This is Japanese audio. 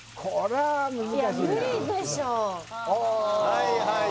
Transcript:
はいはい